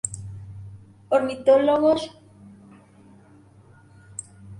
Ornitólogos de todo el mundo continúan citando los libros de Ridgway sobre el color.